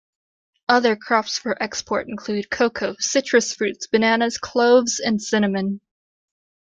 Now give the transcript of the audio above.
Other crops for export include cocoa, citrus fruits, bananas, cloves, and cinnamon.